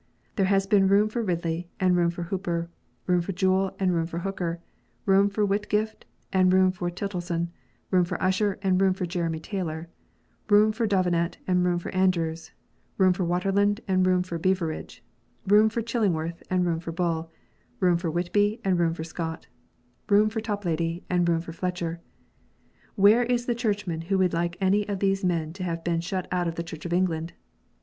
There has been room for Ridley, and room for Hooper, room for Jewell, and room for Hooker, room for Whitgift, and room for Tillotson, room for Usher, and room for Jeremy Taylor, room for Davenant, and room for Andrews, room for Waterland, and room for Beveridge, room for Chillingworth, and room for Bull, room for Whitby, and room for Scott, room for Toplady, and room for Fletcher. Where is the Churchman who would like any one of these men to have been shut out of the Church of England